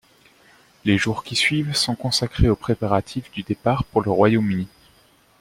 Les jours qui suivent sont consacrés aux préparatifs du départ pour le Royaume-Uni.